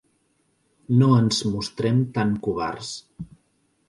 No ens mostrem tan covards.